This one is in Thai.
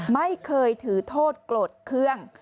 ไม่เคยถือโทษโกรธเครื่อง